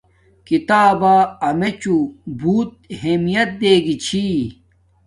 کتابا امیڎو بوت اہمیت دے گی چھی